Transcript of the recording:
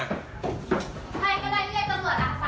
ใครก็ได้เรียกตำรวจอักษะค่ะ